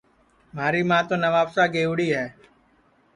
مھاری ماں تو نوابشاہ گئیوڑِ ہے